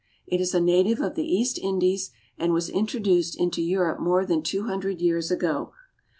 It is a native of the East Indies, and was introduced into Europe more than two hundred years ago.